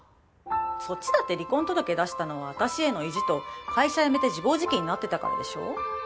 そっちだって離婚届出したのは私への意地と会社辞めて自暴自棄になってたからでしょ？